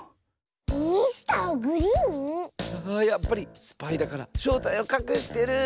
やっぱりスパイだからしょうたいをかくしてる！